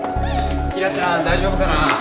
紀來ちゃん大丈夫かな？